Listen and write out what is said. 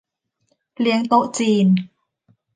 เลี้ยงโต๊ะจีน